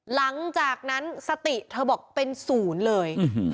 หลังจากนั้นสติเธอบอกเป็นศูนย์เลย